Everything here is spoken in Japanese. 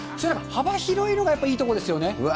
幅広いのがやっぱりいいところですよね。